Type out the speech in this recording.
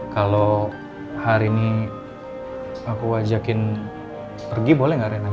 kalo hari ini aku ajakin pergi boleh gak rena